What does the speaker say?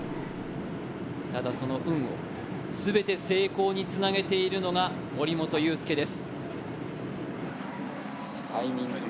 ただ、その運を全て成功につなげているのが森本裕介です。